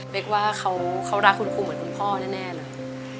กว่าเขารักคุณครูเหมือนคุณพ่อแน่เลย